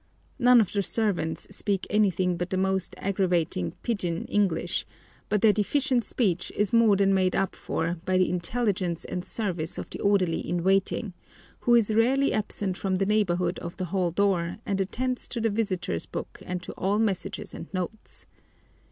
None of the servants speak anything but the most aggravating "pidgun" English, but their deficient speech is more than made up for by the intelligence and service of the orderly in waiting, who is rarely absent from the neighbourhood of the hall door, and attends to the visitors' book and to all messages and notes.